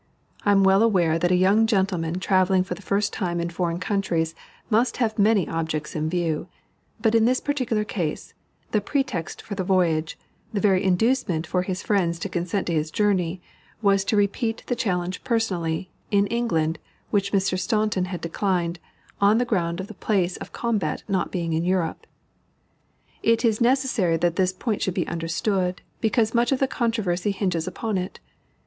I am well aware that a young gentleman travelling for the first time in foreign countries must have many objects in view; but in this particular case, the pretext for the voyage, the very inducement for his friends to consent to his journey, was to repeat that challenge personally, in England, which Mr. Staunton had declined, on the ground of the place of combat not being in Europe. It is necessary that this point should be understood, because much of the controversy hinges upon it.